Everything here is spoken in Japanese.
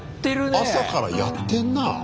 朝からやってんな。